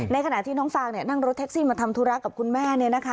ขณะที่น้องฟางนั่งรถแท็กซี่มาทำธุระกับคุณแม่